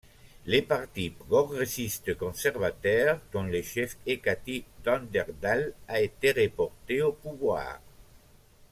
Le Parti progressiste-conservateur, dont le chef est Kathy Dunderdale a été reporté au pouvoir.